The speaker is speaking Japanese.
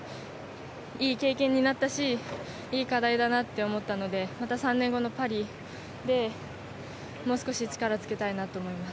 いい経験になったしいい課題だなと思ったのでまた３年後のパリでもう少し力をつけたいなと思います。